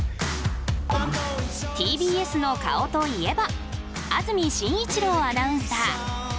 ＴＢＳの顔といえば安住紳一郎アナウンサー。